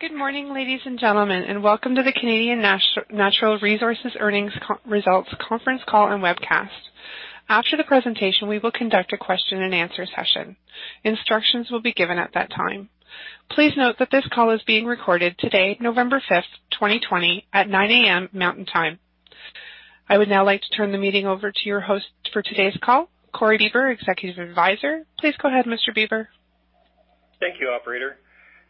Good morning, ladies and gentlemen, and welcome to the Canadian Natural Resources earnings results conference call and webcast. After the presentation, we will conduct a question and answer session. Instructions will be given at that time. Please note that this call is being recorded today, November 5th, 2020, at 9:00 A.M. Mountain Time. I would now like to turn the meeting over to your host for today's call, Corey Bieber, Executive Advisor. Please go ahead, Mr. Bieber. Thank you, Operator.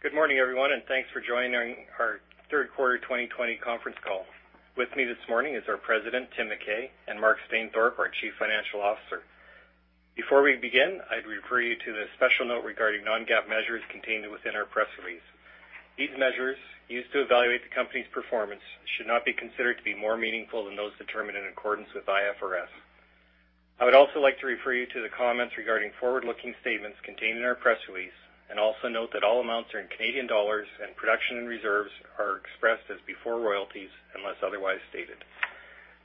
Good morning, everyone, and thanks for joining our Third Quarter 2020 conference call. With me this morning is our President, Tim McKay, and Mark Stainthorpe, our Chief Financial Officer. Before we begin, I'd refer you to the special note regarding non-GAAP measures contained within our press release. These measures, used to evaluate the company's performance, should not be considered to be more meaningful than those determined in accordance with IFRS. I would also like to refer you to the comments regarding forward-looking statements contained in our press release, and also note that all amounts are in CAD and production and reserves are expressed as before royalties unless otherwise stated.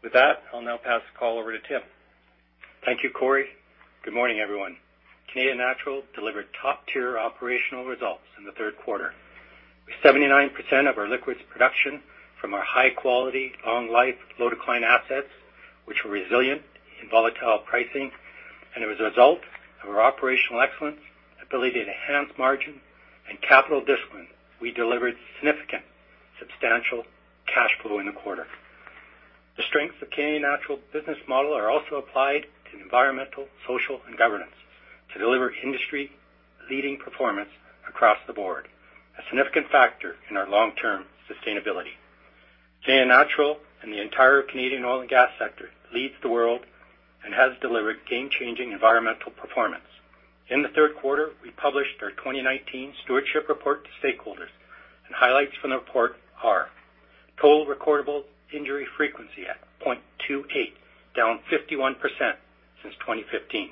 With that, I'll now pass the call over to Tim. Thank you, Corey. Good morning, everyone. Canadian Natural delivered top-tier operational results in the third quarter. With 79% of our liquids production from our high-quality, long-life, low-decline assets, which were resilient in volatile pricing, and as a result of our operational excellence, ability to enhance margin, and capital discipline, we delivered significant substantial cash flow in the quarter. The strengths of Canadian Natural's business model are also applied to environmental, social, and governance to deliver industry-leading performance across the board. A significant factor in our long-term sustainability. Canadian Natural and the entire Canadian oil and gas sector leads the world and has delivered game-changing environmental performance. In the third quarter, we published our 2019 stewardship report to stakeholders, and highlights from the report are total recordable injury frequency at 0.28, down 51% since 2015.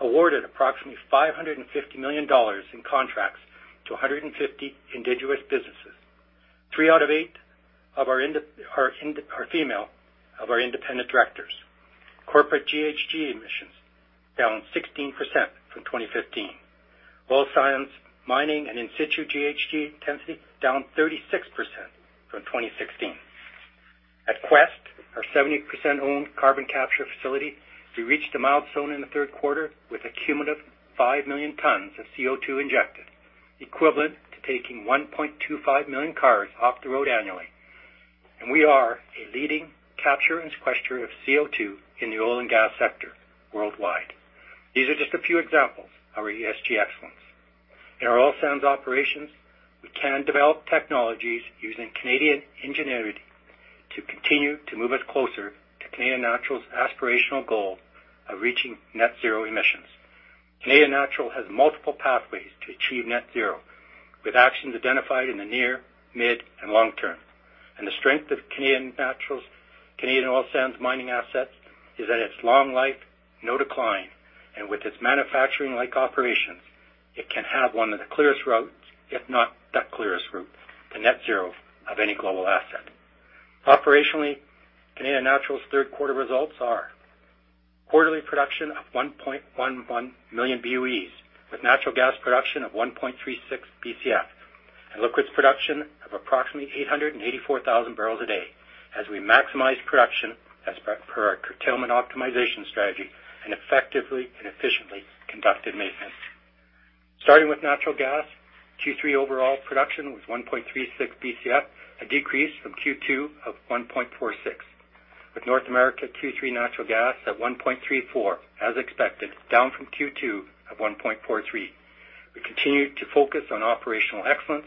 Awarded approximately 550 million dollars in contracts to 150 indigenous businesses. Three out of eight are female of our Independent Directors. Corporate GHG emissions down 16% from 2015. Oil sands mining and in situ GHG intensity down 36% from 2016. At Quest, our 70%-owned carbon capture facility, we reached a milestone in the third quarter with a cumulative 5 million tons of CO2 injected, equivalent to taking 1.25 million cars off the road annually. We are a leading capture and sequester of CO2 in the oil and gas sector worldwide. These are just a few examples of our ESG excellence. In our oil sands operations, we can develop technologies using Canadian ingenuity to continue to move us closer to Canadian Natural's aspirational goal of reaching net zero emissions. Canadian Natural has multiple pathways to achieve net zero, with actions identified in the near, mid, and long term. The strength of Canadian Natural's, Canadian oil sands mining assets is that it's long life, no decline, and with its manufacturing-like operations, it can have one of the clearest routes, if not the clearest route, to net zero of any global asset. Operationally, Canadian Natural's third quarter results are quarterly production of 1.11 million BOEs, with natural gas production of 1.36 Bcf and liquids production of approximately 884,000 bbl a day, as we maximize production as per our curtailment optimization strategy and effectively and efficiently conducted maintenance. Starting with natural gas, Q3 overall production was 1.36 Bcf, a decrease from Q2 of 1.46 Bcf. With North America Q3 natural gas at 1.34 Bcf, as expected, down from Q2 at 1.43 Bcf. We continued to focus on operational excellence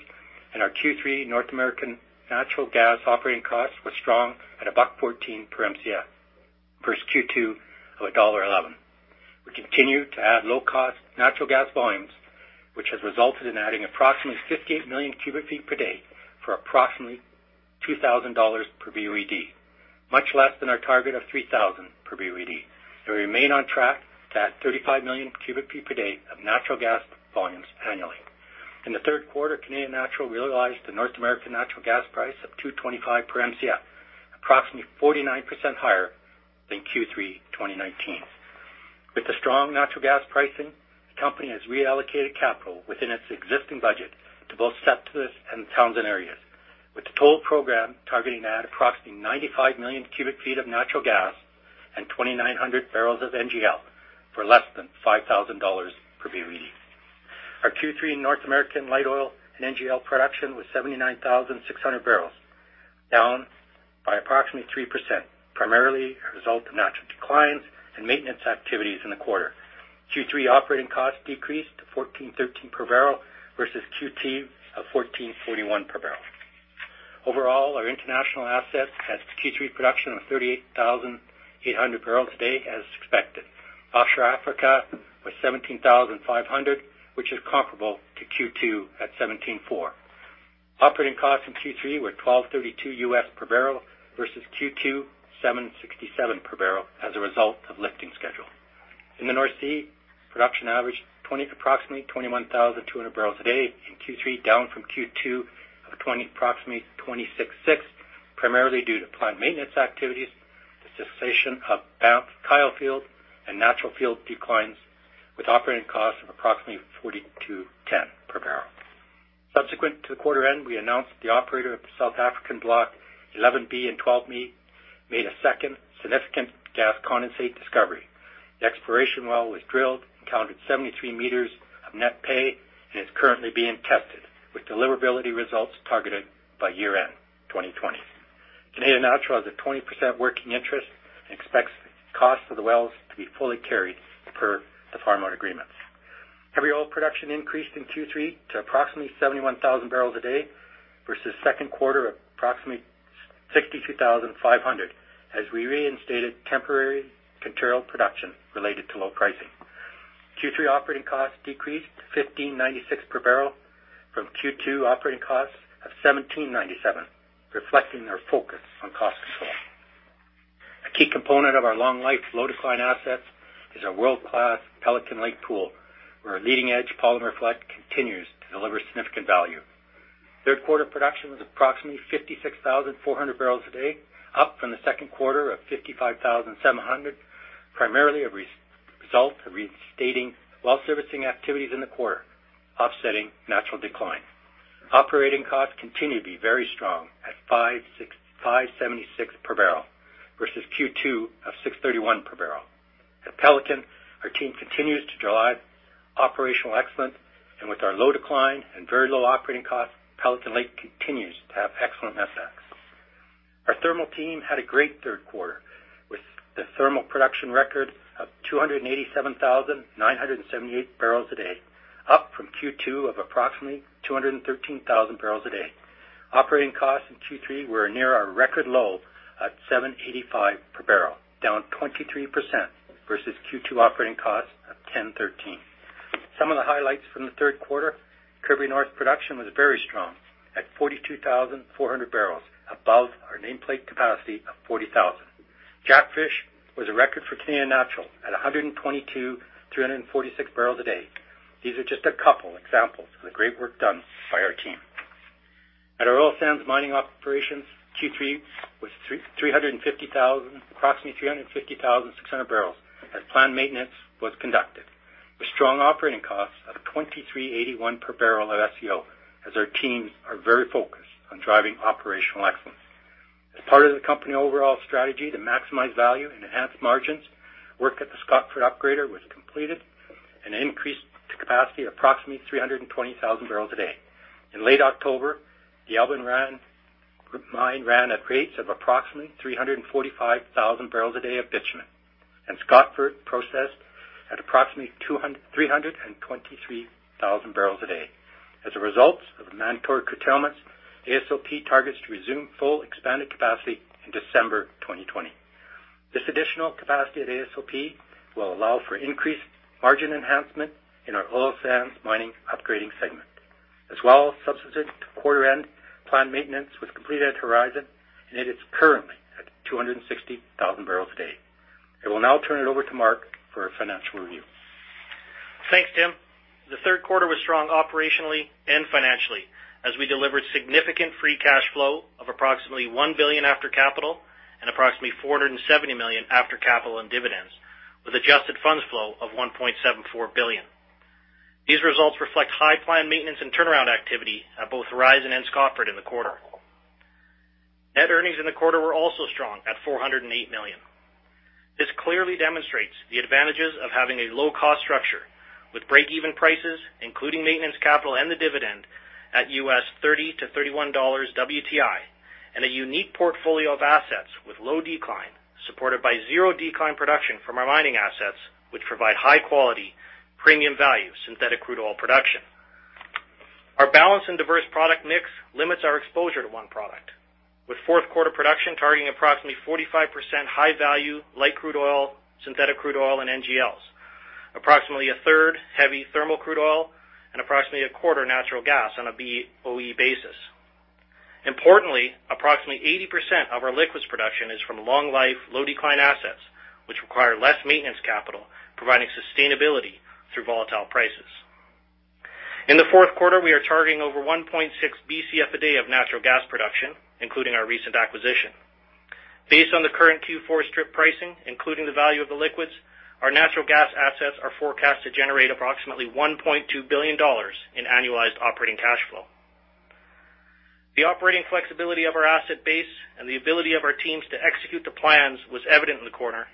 and our Q3 North American Natural Gas operating cost was strong at 1.14/Mcf versus Q2 at dollar 1.11/Mcf. We continue to add low-cost natural gas volumes, which has resulted in adding approximately 58 million cu ft/day for approximately 2,000 dollars/BOED, much less than our target of 3,000/BOED. We remain on track to add 35 million cu ft/day of natural gas volumes annually. In the third quarter, Canadian Natural realized a North American natural gas price of 2.25/Mcf, approximately 49% higher than Q3 2019. With the strong natural gas pricing, the company has reallocated capital within its existing budget to both Septimus and Townsend areas, with the total program targeting to add approximately 95 million cu ft of natural gas and 2,900 bbl of NGL for less than 5,000 dollars/BOED. Our Q3 North American light oil and NGL production was 79,600 bbl, down by approximately 3%, primarily a result of natural declines and maintenance activities in the quarter. Q3 operating costs decreased to 14.13/bbl versus Q2 of 14.41/bbl. Overall, our international assets had Q3 production of 38,800 bbl a day as expected. Offshore Africa was 17,500, which is comparable to Q2 at 17.4. Operating costs in Q3 were $12.32/bbl versus Q2 $7.67/bbl as a result of lifting schedule. In the North Sea, production averaged approximately 21,200 bbl a day in Q3, down from Q2 of approximately 26,600 bbl. Primarily due to planned maintenance activities, the cessation of Banff/Kyle Fields, and natural field declines with operating costs of approximately 42.10/bbl. Subsequent to the quarter end, we announced the operator of the South African block 11B and 12B made a second significant gas condensate discovery. The exploration well was drilled, encountered 73 m of net pay, and is currently being tested with deliverability results targeted by year-end 2020. Canadian Natural has a 20% working interest and expects costs of the wells to be fully carried per the farm out agreements. Heavy oil production increased in Q3 to approximately 71,000 bbl a day versus second quarter approximately 62,500 bbl as we reinstated temporary material production related to low pricing. Q3 operating costs decreased to 15.96/bbl from Q2 operating costs of 17.97/bbl, reflecting our focus on cost control. A key component of our long life, low decline assets is our world-class Pelican Lake pool, where our leading edge polymer flood continues to deliver significant value. Third quarter production was approximately 56,400 bbl a day, up from the second quarter of 55,700 bbl, primarily a result of reinstating well servicing activities in the quarter, offsetting natural decline. Operating costs continue to be very strong at 5.76/bbl versus Q2 of 6.31/bbl. At Pelican, our team continues to drive operational excellence, and with our low decline and very low operating costs, Pelican Lake continues to have excellent F&D. Our thermal team had a great third quarter with the thermal production record of 287,978 bbl a day, up from Q2 of approximately 213,000 bbl a day. Operating costs in Q3 were near our record low at 7.85/bbl, down 23% versus Q2 operating costs of 10.13/bbl. Some of the highlights from the third quarter, Kirby North production was very strong at 42,400 bbl, above our nameplate capacity of 40,000 bbl. Jackfish was a record for Canadian Natural at 122,346 bbl a day. These are just a couple examples of the great work done by our team. At our oil sands mining operations, Q3 was approximately 350,600 bbl as planned maintenance was conducted, with strong operating costs out of CAD 23.81/bbl at SCO as our teams are very focused on driving operational excellence. As part of the company overall strategy to maximize value and enhance margins, work at the Scotford Upgrader was completed, an increase to capacity approximately 320,000 bbl a day. In late October, the Albian mine ran at rates of approximately 345,000 bbl a day of bitumen, and Scotford processed at approximately 323,000 bbl a day. As a result of the mandatory curtailments, AOSP targets to resume full expanded capacity in December 2020. This additional capacity at AOSP will allow for increased margin enhancement in our oil sands mining upgrading segment. As well, subsequent to quarter end, planned maintenance was completed at Horizon, and it is currently at 260,000 bbl a day. I will now turn it over to Mark for a financial review. Thanks, Tim. The third quarter was strong operationally and financially as we delivered significant free cash flow of approximately CAD 1 billion after capital and approximately CAD 470 million after capital and dividends with adjusted funds flow of CAD 1.74 billion. These results reflect high planned maintenance and turnaround activity at both Horizon and Scotford in the quarter. Net earnings in the quarter were also strong at CAD 408 million. This clearly demonstrates the advantages of having a low-cost structure with break-even prices, including maintenance capital and the dividend at $30-$31 WTI, and a unique portfolio of assets with low decline, supported by zero decline production from our mining assets, which provide high quality, premium value synthetic crude oil production. Our balanced and diverse product mix limits our exposure to one product, with fourth quarter production targeting approximately 45% high value light crude oil, synthetic crude oil, and NGLs, approximately 1/3 heavy thermal crude oil, and approximately 1/4 natural gas on a BOE basis. Importantly, approximately 80% of our liquids production is from long life, low decline assets, which require less maintenance capital, providing sustainability through volatile prices. In the fourth quarter, we are targeting over 1.6 Bcf a day of natural gas production, including our recent acquisition. Based on the current Q4 strip pricing, including the value of the liquids, our natural gas assets are forecast to generate approximately 1.2 billion dollars in annualized operating cash flow. The operating flexibility of our asset base and the ability of our teams to execute the plans was evident in the quarter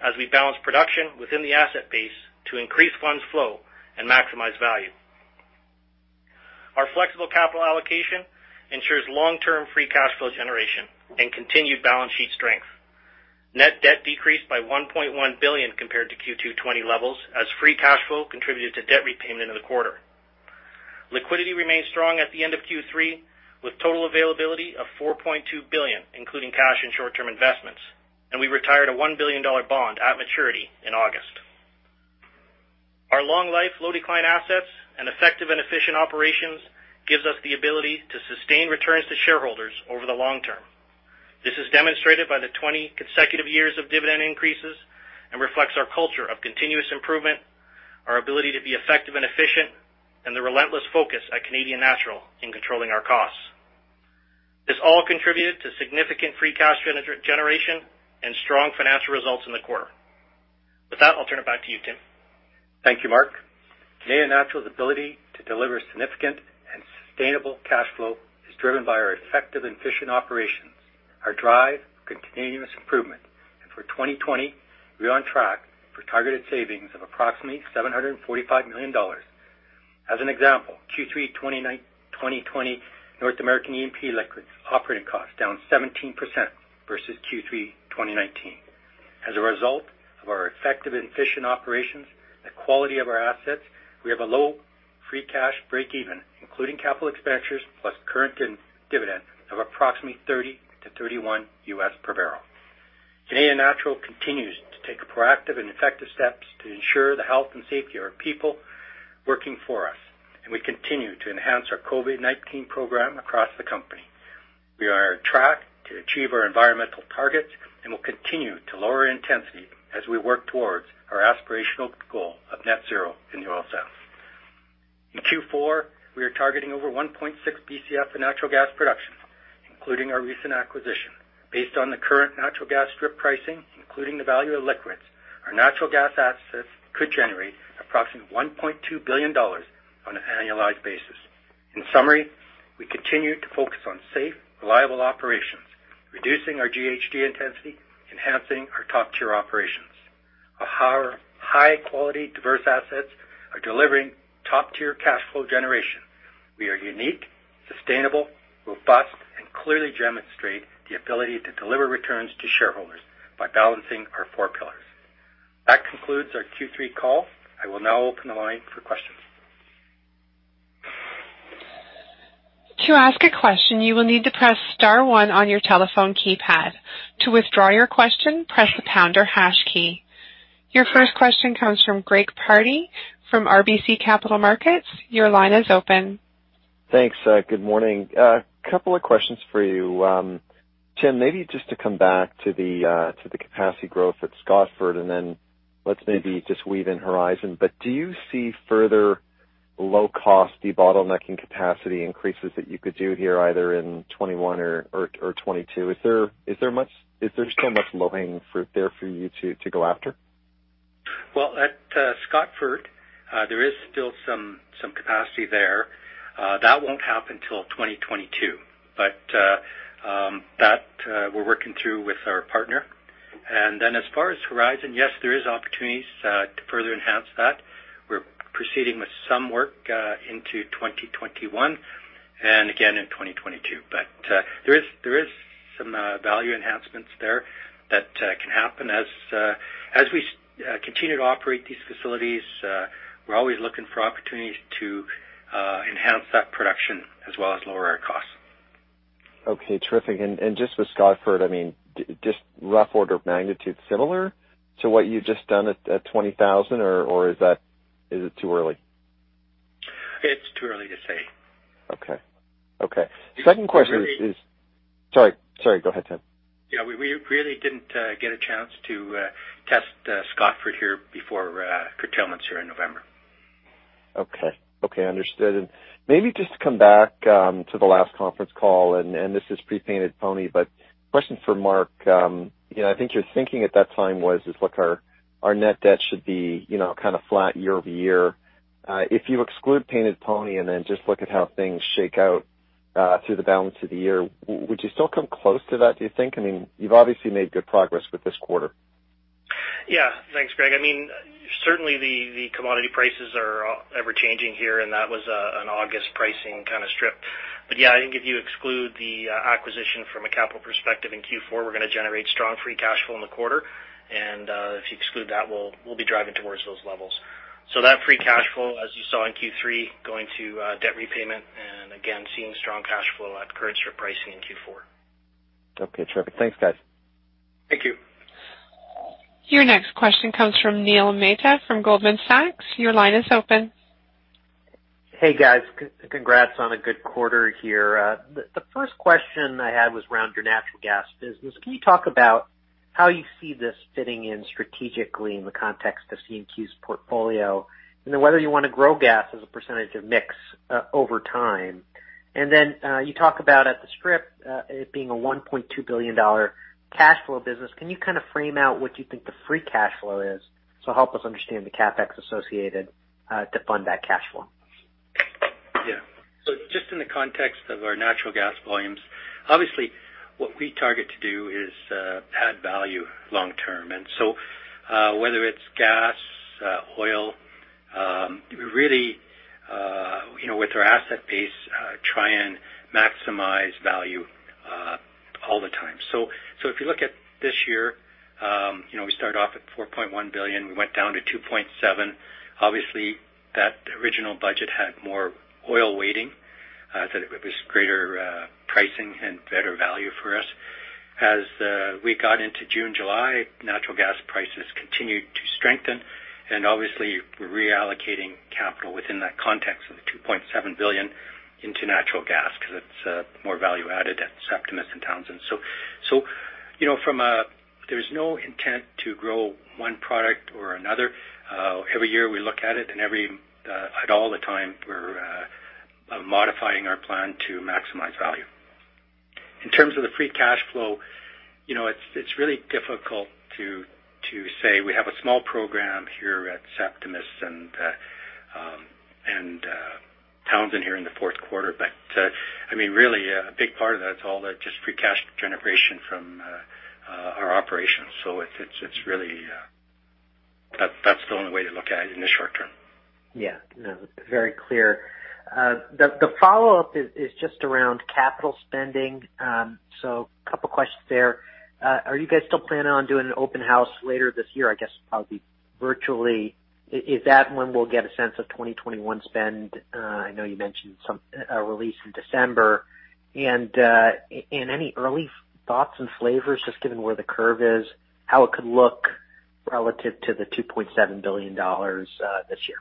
as we balanced production within the asset base to increase funds flow and maximize value. Our flexible capital allocation ensures long-term free cash flow generation and continued balance sheet strength. Net debt decreased by 1.1 billion compared to Q2 2020 levels as free cash flow contributed to debt repayment in the quarter. Liquidity remains strong at the end of Q3, with total availability of 4.2 billion, including cash and short-term investments, and we retired a 1 billion dollar bond at maturity in August. Our long life, low decline assets and effective and efficient operations gives us the ability to sustain returns to shareholders over the long term. This is demonstrated by the 20 consecutive years of dividend increases and reflects our culture of continuous improvement. Our ability to be effective and efficient, and the relentless focus at Canadian Natural in controlling our costs. This all contributed to significant free cash generation and strong financial results in the quarter. With that, I'll turn it back to you, Tim. Thank you, Mark. Canadian Natural's ability to deliver significant and sustainable cash flow is driven by our effective and efficient operations, our drive for continuous improvement, and for 2020, we're on track for targeted savings of approximately 745 million dollars. As an example, Q3 2020 North American E&P liquids operating cost down 17% versus Q3 2019. As a result of our effective and efficient operations, the quality of our assets, we have a low free cash breakeven, including capital expenditures, plus current dividend of approximately $30-$31/bbl. Canadian Natural continues to take proactive and effective steps to ensure the health and safety of our people working for us, and we continue to enhance our COVID-19 program across the company. We are on track to achieve our environmental targets, will continue to lower intensity as we work towards our aspirational goal of net zero in the oil sands. In Q4, we are targeting over 1.6 Bcf in natural gas production, including our recent acquisition. Based on the current natural gas strip pricing, including the value of liquids, our natural gas assets could generate approximately 1.2 billion dollars on an annualized basis. In summary, we continue to focus on safe, reliable operations, reducing our GHG intensity, enhancing our top-tier operations. Our high-quality diverse assets are delivering top-tier cash flow generation. We are unique, sustainable, robust, and clearly demonstrate the ability to deliver returns to shareholders by balancing our four pillars. That concludes our Q3 call. I will now open the line for questions. To ask a question you will need to press star one on your telephone keypad. To withdraw your question press the pound or hash key. Your first question comes from Greg Pardy from RBC Capital Markets. Your line is open. Thanks. Good morning. A couple of questions for you. Tim, maybe just to come back to the capacity growth at Scotford, and then let's maybe just weave in Horizon. Do you see further low-cost debottlenecking capacity increases that you could do here either in 2021 or 2022? Is there still much low-hanging fruit there for you to go after? Well, at Scotford, there is still some capacity there. That won't happen till 2022. That we're working through with our partner. As far as Horizon, yes, there is opportunities to further enhance that. We're proceeding with some work into 2021, and again in 2022. There is some value enhancements there that can happen. As we continue to operate these facilities, we're always looking for opportunities to enhance that production as well as lower our costs. Okay, terrific. Just with Scotford, just rough order of magnitude similar to what you've just done at 20,000, or is it too early? It's too early to say. Okay. Second question is, sorry, go ahead, Tim. Yeah, we really didn't get a chance to test Scotford here before curtailments here in November. Okay. Understood. Maybe just to come back to the last conference call, and this is pre-Painted Pony, but question for Mark. I think your thinking at that time was, is, look, our net debt should be flat year-over-year. If you exclude Painted Pony and then just look at how things shake out through the balance of the year, would you still come close to that, do you think? You've obviously made good progress with this quarter. Yeah. Thanks, Greg. Certainly, the commodity prices are ever-changing here, and that was an August pricing kind of strip. Yeah, I think if you exclude the acquisition from a capital perspective in Q4, we're going to generate strong free cash flow in the quarter. If you exclude that, we'll be driving towards those levels. That free cash flow, as you saw in Q3, going to debt repayment, and again, seeing strong cash flow at current strip pricing in Q4. Okay, terrific. Thanks, guys. Thank you. Your next question comes from Neil Mehta from Goldman Sachs. Your line is open. Hey, guys. Congrats on a good quarter here. The first question I had was around your natural gas business. Can you talk about how you see this fitting in strategically in the context of CNQ's portfolio? Whether you want to grow gas as a percentage of mix over time. You talk about at the strip, it being a 1.2 billion dollar cash flow business. Can you frame out what you think the free cash flow is to help us understand the CapEx associated to fund that cash flow? Yeah. Just in the context of our natural gas volumes, obviously, what we target to do is add value long term. Whether it's gas, oil, really, with our asset base, try and maximize value all the time. If you look at this year, we started off at 4.1 billion, we went down to 2.7 billion. Obviously, that original budget had more oil waiting, that it was greater pricing and better value for us. As we got into June, July, natural gas prices continued to strengthen, and obviously, we're reallocating capital within that context of the 2.7 billion into natural gas because it's more value added at Septimus and Townsend. There's no intent to grow one product or another. Every year we look at it, and at all the time, we're modifying our plan to maximize value. In terms of the free cash flow, it's really difficult to say. We have a small program here at Septimus and Townsend here in the fourth quarter. Really, a big part of that is all that just free cash generation from our operations. That's the only way to look at it in the short term. Yeah. No, very clear. The follow-up is just around capital spending. A couple of questions there. Are you guys still planning on doing an open house later this year? I guess, probably virtually. Is that when we'll get a sense of 2021 spend? I know you mentioned some release in December. Any early thoughts and flavors, just given where the curve is, how it could look relative to the 2.7 billion dollars this year?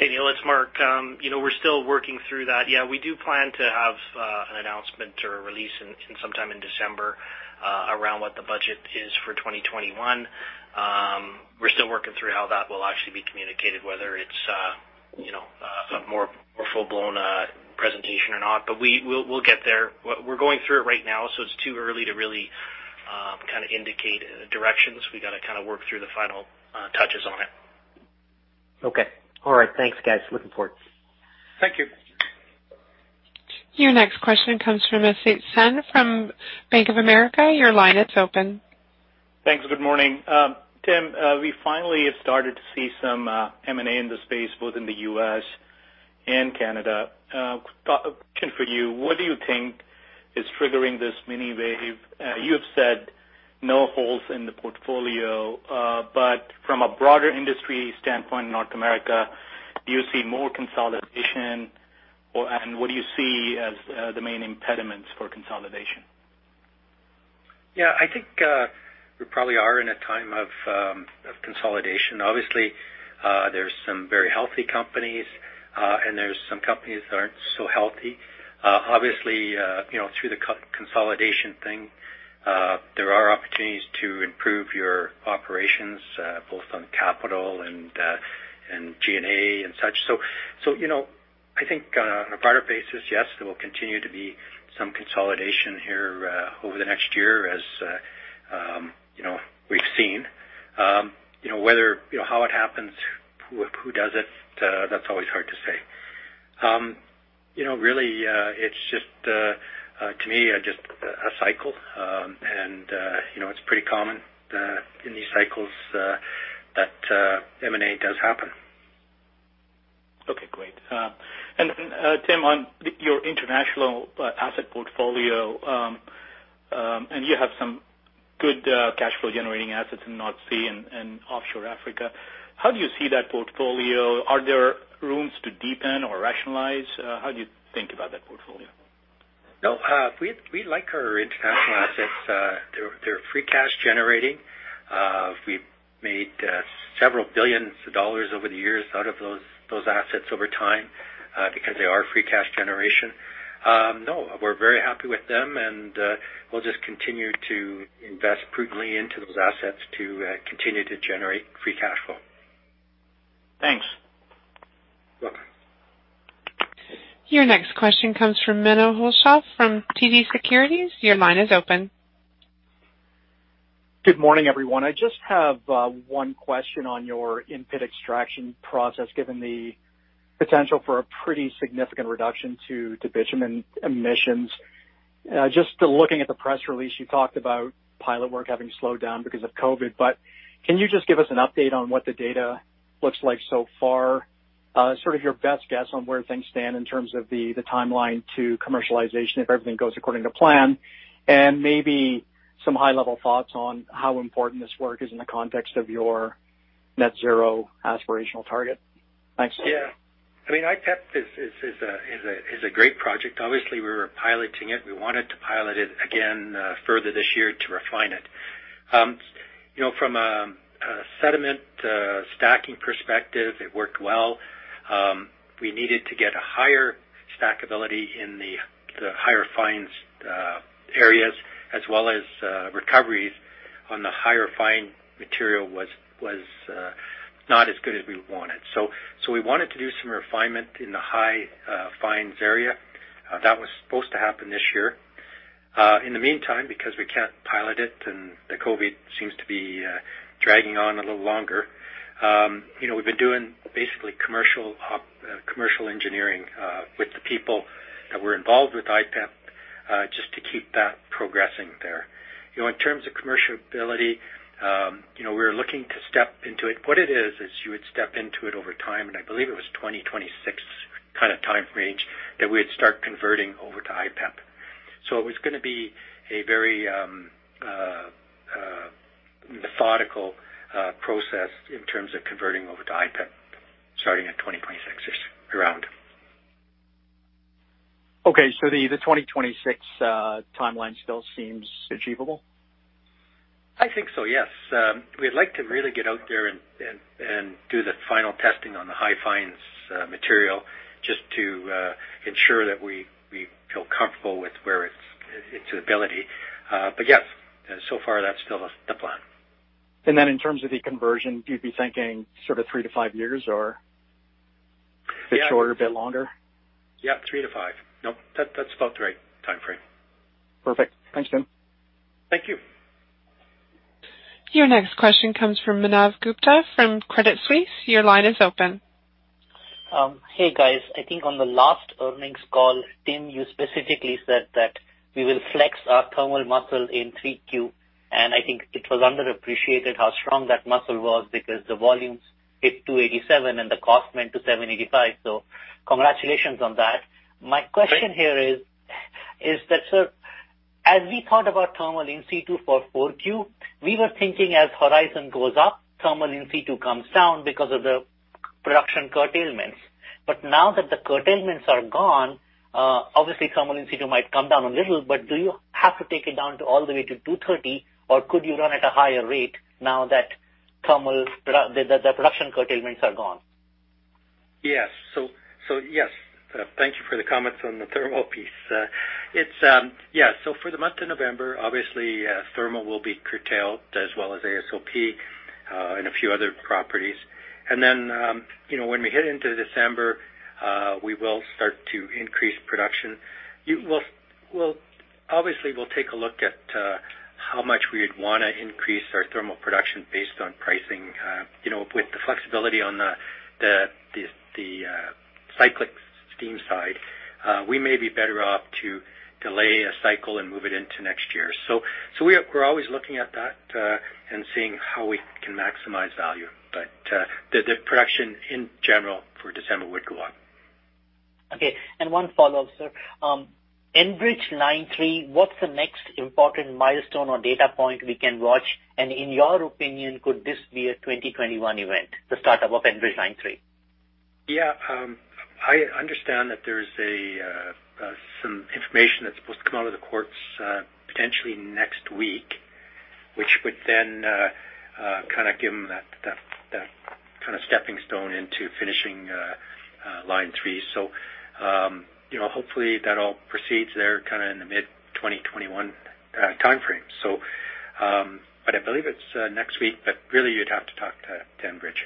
Hey, Neil, it's Mark. We're still working through that. Yeah, we do plan to have an announcement or a release sometime in December around what the budget is for 2021. We're still working through how that will actually be communicated, whether it's a more full-blown presentation or not, but we'll get there. We're going through it right now, so it's too early to really kind of indicate directions. We got to kind of work through the final touches on it. Okay. All right. Thanks, guys. Looking forward. Thank you. Your next question comes from Asit Sen from Bank of America. Your line is open. Thanks. Good morning. Tim, we finally have started to see some M&A in the space, both in the U.S. and Canada. Question for you, what do you think is triggering this mini-wave? You have said no holes in the portfolio. From a broader industry standpoint in North America. Do you see more consolidation, and what do you see as the main impediments for consolidation? I think we probably are in a time of consolidation. There's some very healthy companies, and there's some companies that aren't so healthy. Through the consolidation thing, there are opportunities to improve your operations, both on capital and G&A and such. I think on a broader basis, yes, there will continue to be some consolidation here over the next year, as we've seen. How it happens, who does it, that's always hard to say. It's just, to me, just a cycle, and it's pretty common in these cycles that M&A does happen. Okay, great. Tim, on your international asset portfolio, you have some good cash flow-generating assets in North Sea and Offshore Africa. How do you see that portfolio? Are there rooms to deepen or rationalize? How do you think about that portfolio? No. We like our international assets. They're free cash generating. We've made several billions of CAD over the years out of those assets over time, because they are free cash generation. No, we're very happy with them, and we'll just continue to invest prudently into those assets to continue to generate free cash flow. Thanks. Welcome. Your next question comes from Menno Hulshof from TD Securities. Your line is open. Good morning, everyone. I just have one question on your In-Pit Extraction Process, given the potential for a pretty significant reduction to bitumen emissions. Just looking at the press release, you talked about pilot work having slowed down because of COVID, can you just give us an update on what the data looks like so far? Sort of your best guess on where things stand in terms of the timeline to commercialization, if everything goes according to plan, and maybe some high-level thoughts on how important this work is in the context of your net zero aspirational target. Thanks. Yeah. IPEP is a great project. Obviously, we were piloting it. We wanted to pilot it again further this year to refine it. From a sediment stacking perspective, it worked well. We needed to get a higher stackability in the higher fines areas, as well as recoveries on the higher fine material was not as good as we wanted. We wanted to do some refinement in the high fines area. That was supposed to happen this year. In the meantime, because we can't pilot it and the COVID-19 seems to be dragging on a little longer, we've been doing basically commercial engineering with the people that were involved with IPEP, just to keep that progressing there. In terms of commercial ability, we're looking to step into it. What it is you would step into it over time. I believe it was 2026 kind of time range that we'd start converting over to IPEP. It was going to be a very methodical process in terms of converting over to IPEP, starting at 2026-ish, around. Okay, the 2026 timeline still seems achievable? I think so, yes. We'd like to really get out there and do the final testing on the high fines material just to ensure that we feel comfortable with its ability. Yes, so far that's still the plan. In terms of the conversion, you'd be thinking sort of three to five years or a bit shorter, a bit longer? Yeah, three to five. Nope, that's about the right time frame. Perfect. Thanks, Tim. Thank you. Your next question comes from Manav Gupta from Credit Suisse. Your line is open. Hey, guys. I think on the last earnings call, Tim, you specifically said that we will flex our thermal muscle in 3Q, and I think it was underappreciated how strong that muscle was because the volumes hit 287,000 and the cost went to 7.85. Congratulations on that. My question here is that, Sir, as we thought about thermal in situ for 4Q, we were thinking as Horizon goes up, thermal in situ comes down because of the production curtailments. Now that the curtailments are gone, obviously thermal in situ might come down a little, but do you have to take it down to all the way to 230,000? Or could you run at a higher rate now that the production curtailments are gone? Yes. Thank you for the comments on the thermal piece. For the month of November, obviously, thermal will be curtailed as well as AOSP, and a few other properties. When we hit into December, we will start to increase production. Obviously, we'll take a look at how much we would want to increase our thermal production based on pricing. With the flexibility on the cyclic steam side, we may be better off to delay a cycle and move it into next year. We're always looking at that and seeing how we can maximize value. The production in general for December would go up. Okay. One follow-up, sir. Enbridge Line 3, what's the next important milestone or data point we can watch? In your opinion, could this be a 2021 event, the start-up of Enbridge Line 3? Yeah. I understand that there's some information that's supposed to come out of the courts potentially next week, which would then kind of give them that stepping stone into finishing Line 3. Hopefully that all proceeds there kind of in the mid-2021 time frame. I believe it's next week, but really you'd have to talk to Enbridge.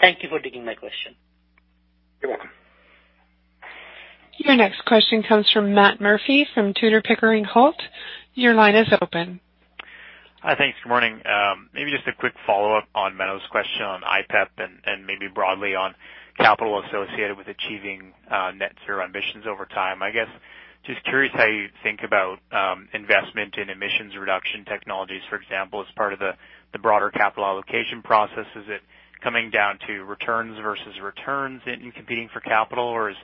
Thank you for taking my question. You're welcome. Your next question comes from Matt Murphy from Tudor, Pickering, Holt. Your line is open. Thanks. Good morning. Maybe just a quick follow-up on Manav's question on IPEP and maybe broadly on capital associated with achieving net zero emissions over time. I guess, just curious how you think about investment in emissions reduction technologies, for example, as part of the broader capital allocation process. Is it coming down to returns versus returns in competing for capital or is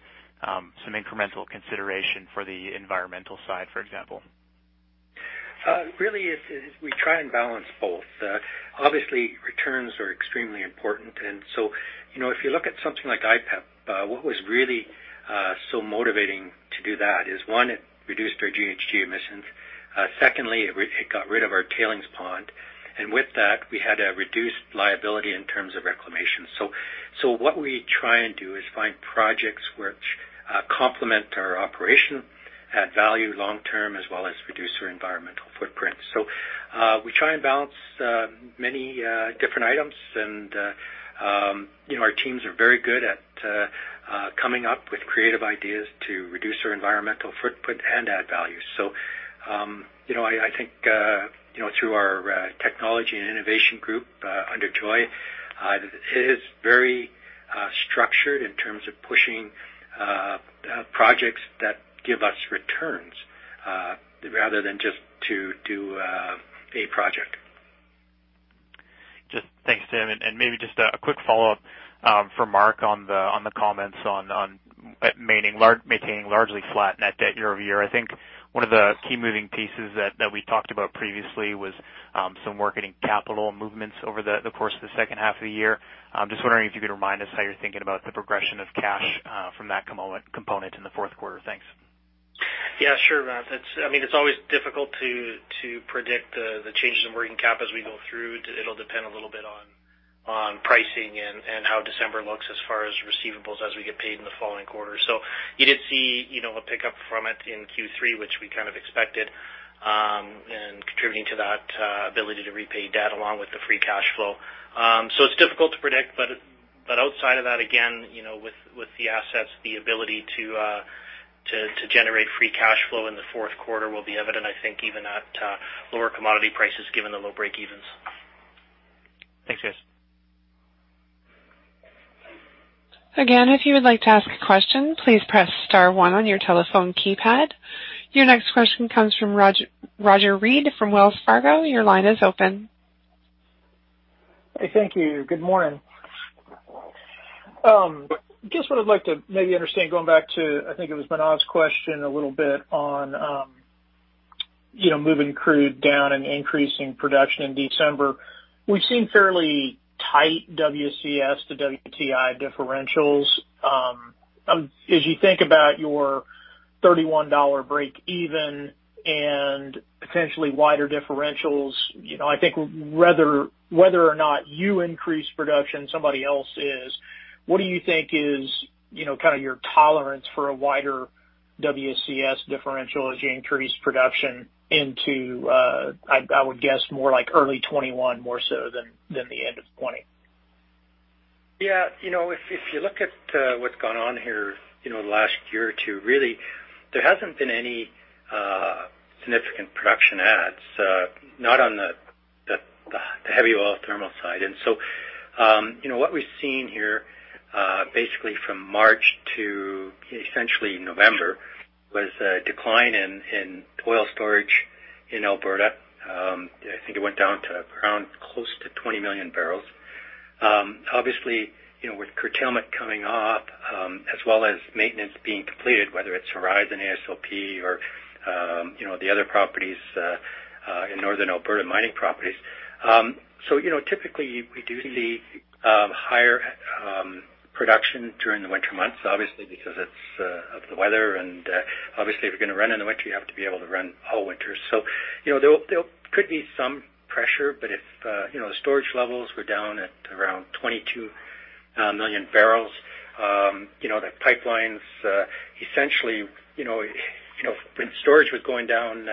some incremental consideration for the environmental side, for example? We try and balance both. Obviously, returns are extremely important, if you look at something like IPEP, what was really so motivating to do that is one, it reduced our GHG emissions. Secondly, it got rid of our tailings pond, with that, we had a reduced liability in terms of reclamation. What we try and do is find projects which complement our operation, add value long term, as well as reduce our environmental footprint. We try and balance many different items, our teams are very good at coming up with creative ideas to reduce our environmental footprint and add value. I think through our technology and innovation group under Joy, it is very structured in terms of pushing projects that give us returns rather than just to do a project. Thanks, Tim. Maybe just a quick follow-up for Mark on the comments on maintaining largely flat net debt year-over-year. I think one of the key moving pieces that we talked about previously was some working capital movements over the course of the second half of the year. Just wondering if you could remind us how you're thinking about the progression of cash from that component in the fourth quarter? Thanks. Sure, Matt. It's always difficult to predict the changes in working cap as we go through. It'll depend a little bit on pricing and how December looks as far as receivables as we get paid in the following quarter. You did see a pickup from it in Q3, which we kind of expected, and contributing to that ability to repay debt along with the free cash flow. It's difficult to predict, but outside of that, again, with the assets, the ability to generate free cash flow in the fourth quarter will be evident, I think even at lower commodity prices given the low break-evens. Thanks, guys. Again, if you would like to ask a question, please press star one on your telephone keypad. Your next question comes from Roger Read from Wells Fargo. Your line is open. Hey, thank you. Good morning. Just what I'd like to maybe understand, going back to, I think it was Manav's question a little bit on moving crude down and increasing production in December. We've seen fairly tight WCS to WTI differentials. As you think about your 31 dollar break-even and potentially wider differentials, I think whether or not you increase production, somebody else is. What do you think is your tolerance for a wider WCS differential as you increase production into, I would guess more like early 2021, more so than the end of 2020? If you look at what's gone on here the last year or two, really, there hasn't been any significant production adds, not on the heavy oil thermal side. What we've seen here, basically from March to essentially November, was a decline in oil storage in Alberta. I think it went down to around close to 20 million bbl. Obviously, with curtailment coming off, as well as maintenance being completed, whether it's Horizon, AOSP, or the other properties in Northern Alberta mining properties. Typically, we do see higher production during the winter months, obviously, because of the weather, and obviously, if you're going to run in the winter, you have to be able to run all winter. There could be some pressure, but if the storage levels were down at around 22 million bbl. When storage was going down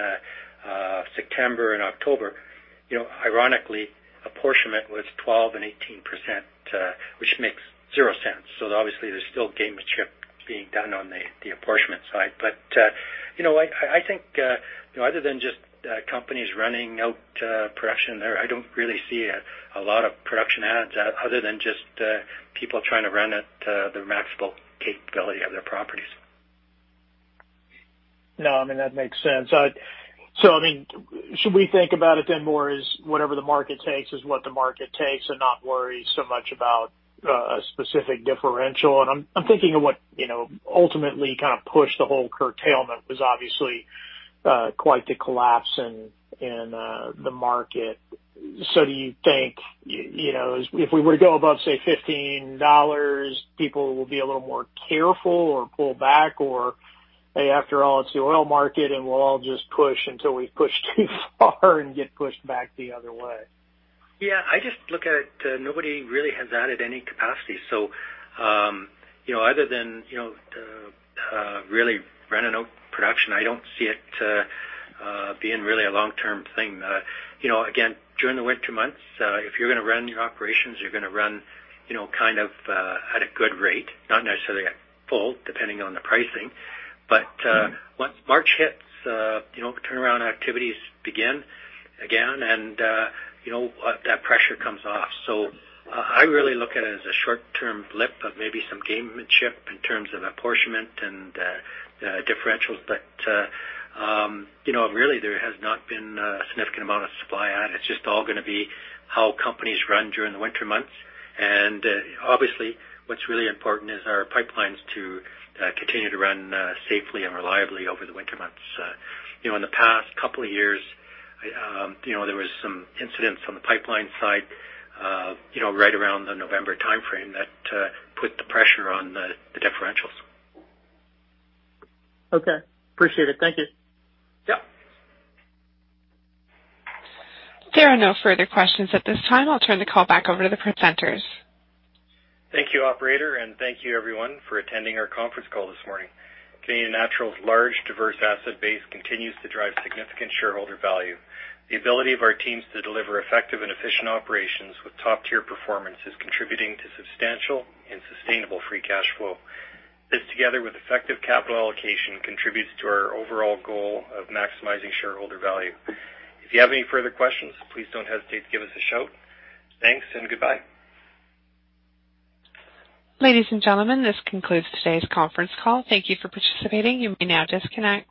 September and October, ironically, apportionment was 12% and 18%, which makes zero sense. Obviously, there's still gamesmanship being done on the apportionment side. I think other than just companies running out production there, I don't really see a lot of production adds other than just people trying to run at the maximal capability of their properties. No, that makes sense. Should we think about it then more as whatever the market takes is what the market takes, and not worry so much about a specific differential? I'm thinking of what ultimately kind of pushed the whole curtailment was obviously quite the collapse in the market. Do you think, if we were to go above, say, 15 dollars, people will be a little more careful or pull back or, hey, after all, it's the oil market, and we'll all just push until we push too far and get pushed back the other way. Yeah, I just look at it, nobody really has added any capacity. Other than really running out production, I don't see it being really a long-term thing. Again, during the winter months, if you're going to run your operations, you're going to run at a good rate, not necessarily at full, depending on the pricing. Once March hits, turnaround activities begin again, and that pressure comes off. I really look at it as a short-term blip of maybe some gamesmanship in terms of apportionment and differentials. Really, there has not been a significant amount of supply add. It's just all going to be how companies run during the winter months. Obviously, what's really important is our pipelines to continue to run safely and reliably over the winter months. In the past couple of years, there was some incidents on the pipeline side right around the November timeframe that put the pressure on the differentials. Okay. Appreciate it. Thank you. Yeah. There are no further questions at this time. I'll turn the call back over to the presenters. Thank you, Operator, and thank you everyone for attending our conference call this morning. Canadian Natural's large, diverse asset base continues to drive significant shareholder value. The ability of our teams to deliver effective and efficient operations with top-tier performance is contributing to substantial and sustainable free cash flow. This, together with effective capital allocation, contributes to our overall goal of maximizing shareholder value. If you have any further questions, please don't hesitate to give us a shout. Thanks and goodbye. Ladies and gentlemen, this concludes today's conference call. Thank you for participating. You may now disconnect.